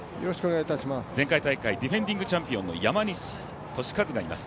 前回大会ディフェンディングチャンピオンの山西利和がいます。